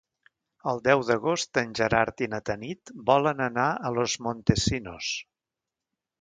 El deu d'agost en Gerard i na Tanit volen anar a Los Montesinos.